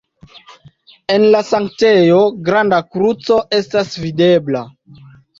En la sanktejo granda kruco estas videbla.